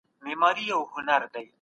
ما تېره اونۍ یو نوی مهارت ترلاسه کړ.